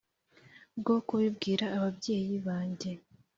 bwo kubibwira ababyeyi bange